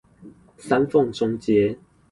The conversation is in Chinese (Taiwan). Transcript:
三鳳中街